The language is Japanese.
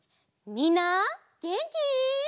みんなげんき？